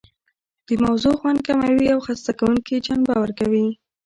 د موضوع خوند کموي او خسته کوونکې جنبه ورکوي.